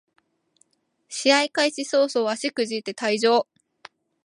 試合開始そうそう足くじいて退場